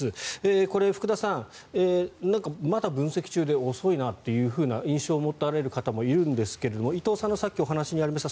これ、福田さんまだ分析中で遅いなという印象を持たれる方もいるんですが伊藤さんのさっきのお話にありました